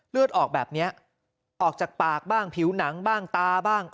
เลือดออกแบบนี้ออกจากปากบ้างผิวหนังบ้างตาบ้าง